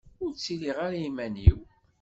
Ur ttiliɣ ara iman-iw.